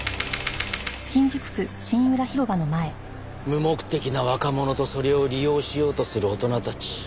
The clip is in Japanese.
無目的な若者とそれを利用しようとする大人たち。